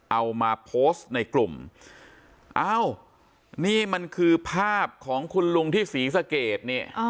เอามาโพสต์ในกลุ่มอ้าวนี่มันคือภาพของคุณลุงที่ศรีสะเกดนี่